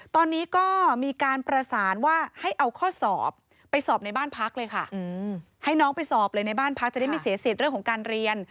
ตอนนี้ก็มีการประสานว่าให้เอาข้อสอบไปสอบในบ้านพักเลยค่ะให้น้องไปสอบเลยในบ้านพักจะได้ไม่เสียสิทธิ์เรื่องของการเรียน